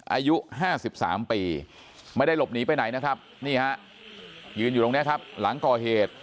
อายุ๕๓ปีไม่ได้หลบหนีไปไหนนะครับนี่ฮะยืนอยู่ตรงนี้ครับหลังก่อเหตุ